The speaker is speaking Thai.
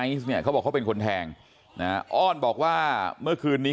เนี่ยเขาบอกเขาเป็นคนแทงนะฮะอ้อนบอกว่าเมื่อคืนนี้